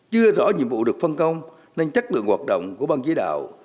chưa rõ nhiệm vụ được phân công nên chất lượng hoạt động của băng chế đạo